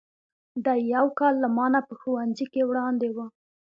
دی یو کال له ما نه په ښوونځي کې وړاندې و.